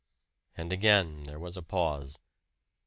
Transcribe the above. And again there was a pause.